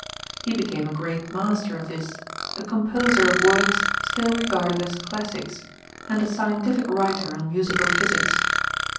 He became a great master of this, a composer of works still regarded as classics, and a scientific writer on musical physics.